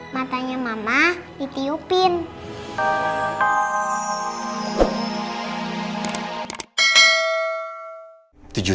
matanya mama ditiupin